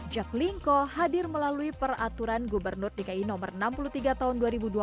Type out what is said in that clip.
jaklingko hadir melalui peraturan gubernur dki no enam puluh tiga tahun dua ribu dua puluh